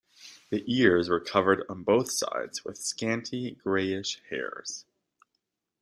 The ears were covered on both sides with scanty grayish hairs.